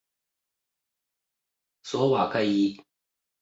索瓦盖伊。